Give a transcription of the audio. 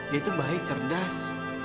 dia tuh baik cerdas